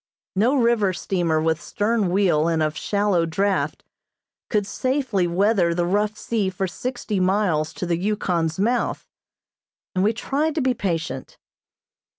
No river steamer with stern wheel and of shallow draught, could safely weather the rough sea for sixty miles to the Yukon's mouth, and we tried to be patient.